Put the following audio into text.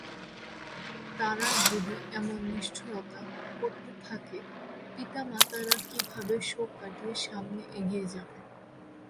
তারা যদি এমন নিষ্ঠুরতা করতে থাকে, পিতামাতারা কীভাবে শোক কাটিয়ে সামনে এগিয়ে যাবে?